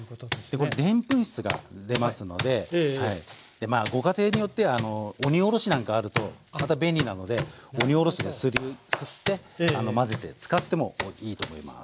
でこれでんぷん質が出ますのででまあご家庭によっては鬼おろしなんかあるとまた便利なので鬼おろしで擦って混ぜて使ってもいいと思います。